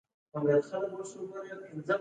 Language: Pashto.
د هبل تلسکوپ مرسته یې کړې ده.